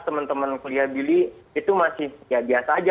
temen temen kuliah billy itu masih biasa aja